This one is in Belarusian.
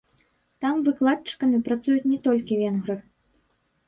Там выкладчыкамі працуюць не толькі венгры.